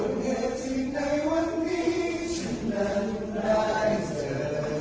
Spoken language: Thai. เหตุที่ในวันนี้ฉันนั้นได้เจอ